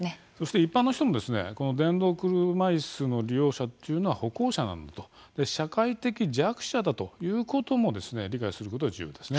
一般の人も電動車いすの利用者は歩行者なんだと社会的弱者だということを理解することが重要です。